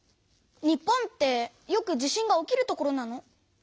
日本ってよく地震が起きる所なの？